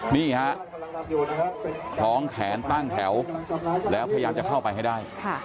นี่ฮะคล้องแขนตั้งแถวแล้วพยายามจะเข้าไปให้ได้